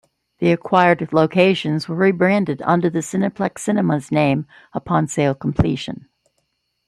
The acquired locations were rebranded under the Cineplex Cinemas name upon sale completion.